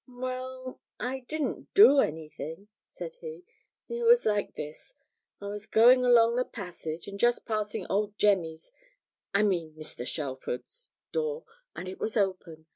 'Well, I didn't do anything,' said he. 'It was like this. I was going along the passage, and just passing Old Jemmy's I mean Mr. Shelford's door, and it was open.